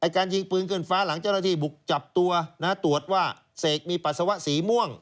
การยิงปืนขึ้นฟ้าหลังเจ้าหน้าที่บุกจับตัวตรวจว่าเสกมีปัสสาวะสีม่วง